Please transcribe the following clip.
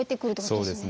そうですね。